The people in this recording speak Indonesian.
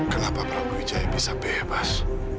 kenapa prabowo wijaya bisa bebas